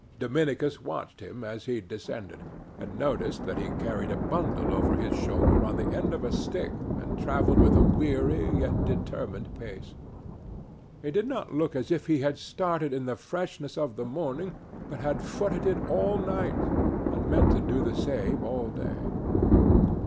Dominicus watched him as he descended, and noticed that he carried a bundle over his shoulder on the end of a stick and travelled with a weary yet determined pace. He did not look as if he had started in the freshness of the morning, but had footed it all night, and meant to do the same all day.